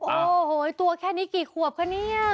โอ้โหตัวแค่นี้กี่ขวบคะเนี่ย